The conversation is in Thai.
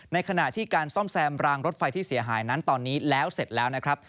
ในขณะที่การซ่อมแซมรางรถไฟที่เสียหายนั้นตอนนี้แล้วเสร็จแล้วนะครับ